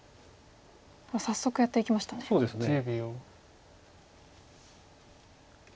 早速やっていきましたね。